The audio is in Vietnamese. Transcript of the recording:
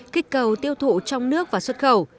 kích cầu tiêu thụ trong nước và xuất khẩu